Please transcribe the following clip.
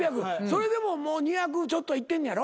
それでも２００ちょっとはいってんねやろ？